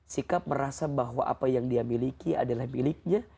sikap merasa bahwa apa yang dia miliki adalah miliknya